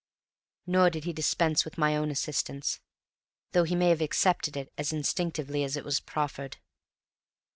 Nor did he dispense with my own assistance, though he may have accepted it as instinctively as it was proffered.